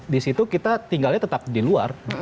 di situ kita tinggalnya tetap di luar